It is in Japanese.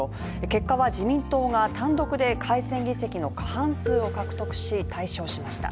結果は自民党が単独で改選議席の過半数を獲得し、大勝しました。